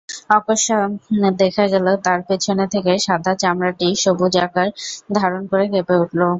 অকস্মাৎ দেখা গেল তার পেছন থেকে সাদা চামড়াটি সবুজ আকার ধারণ করে কেঁপে উঠল।